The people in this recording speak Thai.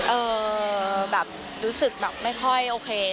เออแบบรู้สึกแบบไม่ค่อยโอเค